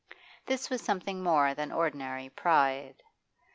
This was something more than, ordinary pride.